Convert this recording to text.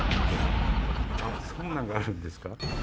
そんなんがあるんですか。